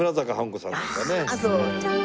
ああそう。